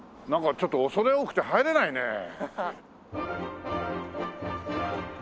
なんかちょっと恐れ多くて入れないね。